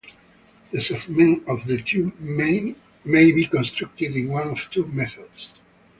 The segments of the tube may be constructed in one of two methods.